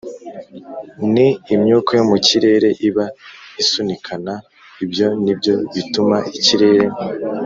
ni imyuka yo mu kirere iba isunikana. ibyo ni byo bituma ikirere